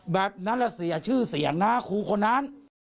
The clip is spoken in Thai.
แบบนั้นเสียชื่อเสียงนะครูคนนั้น